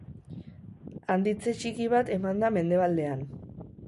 Handitze txiki bat eman da mendebaldean.